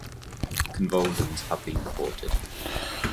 Convulsions have been reported.